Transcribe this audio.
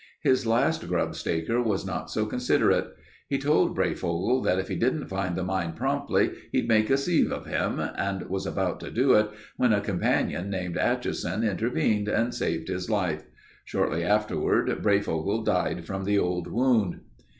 His last grubstaker was not so considerate. He told Breyfogle that if he didn't find the mine promptly he'd make a sieve of him and was about to do it when a companion named Atchison intervened and saved his life. Shortly afterward, Breyfogle died from the old wound.